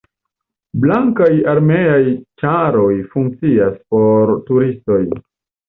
Blankaj armeaj ĉaroj funkcias por turistoj.